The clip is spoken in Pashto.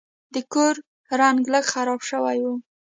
د کور رنګ لږ خراب شوی و.